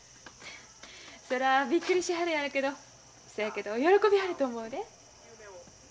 そらびっくりしはるやろけどせやけど喜びはると思うで。